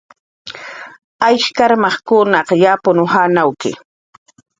Ayk karmas yapun janawki